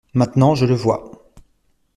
Maintenant je le vois.